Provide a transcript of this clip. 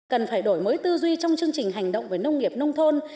cần phải đổi mới tư duy trong chương trình hành động về nông nghiệp nông thôn